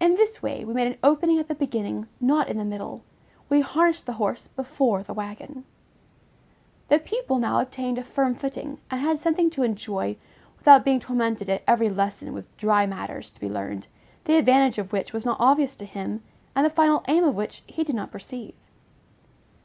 In this way, we made an opening at the beginning, not in the middle: we harnessed the horse before the wagon. The pupil now obtained a firm footing, and had something to enjoy, without being tormented at every lesson with dry matters to be learned, the advantage of which was not obvious to him, and the final aim of which he did not perceive.